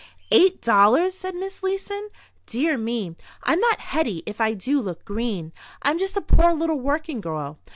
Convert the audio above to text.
"Eight dollars?" said Miss Leeson. "Dear me! I'm not Hetty if I do look green. I'm just a poor little working girl.